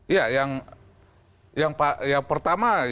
iya yang pertama